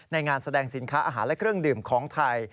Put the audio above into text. งานแสดงสินค้าอาหารและเครื่องดื่มของไทย